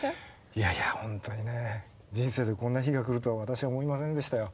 いやいや本当にね人生でこんな日が来るとは私は思いませんでしたよ。